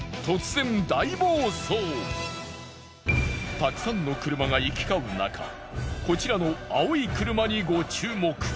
たくさんの車が行き交うなかこちらの青い車にご注目。